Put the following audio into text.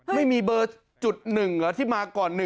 ไม่มีเบอร์จุด๑เหรอที่มาก่อน๑